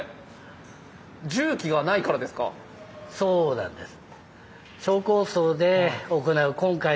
そうなんです。